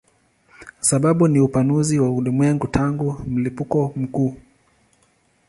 Sababu ni upanuzi wa ulimwengu tangu mlipuko mkuu.